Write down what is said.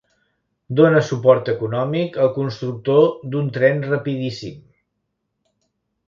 Dóna suport econòmic al constructor d'un tren rapidíssim.